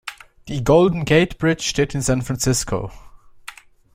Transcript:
Die Golden Gate Bridge steht in San Francisco.